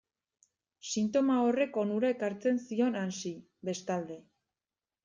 Sintoma horrek onura ekartzen zion Hansi, bestalde.